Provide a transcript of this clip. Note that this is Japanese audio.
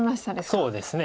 そうですね。